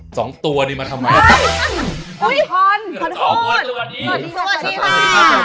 สองตัวนี่มาทำไมอุ้ยสวัสดีค่ะสวัสดีค่ะสวัสดีค่ะ